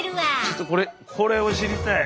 ちょっとこれこれを知りたい！